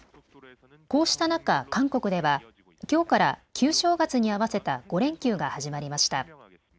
こうした中、韓国ではきょうから旧正月に合わせた５連休が始まりました。